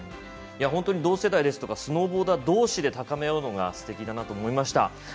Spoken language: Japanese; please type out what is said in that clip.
本当に同世代ですとかスノーボーダーどうしで高め合うのがすてきだなと思いました。